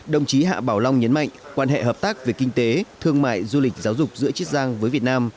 đồng chí hạ bảo long nhấn mạnh quan hệ hợp tác về kinh tế thương mại du lịch giáo dục giữa chiết giang với việt nam